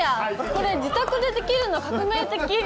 これ自宅でできるの革命的